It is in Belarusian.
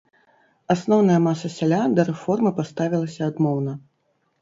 Асноўная маса сялян да рэформы паставілася адмоўна.